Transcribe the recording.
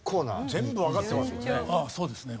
全部わかってますよね？